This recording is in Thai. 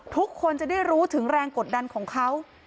ทุกคนจะได้รู้ถึงแรงกดดันของเขา